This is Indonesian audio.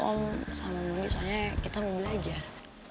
sama sama misalnya kita mau belajar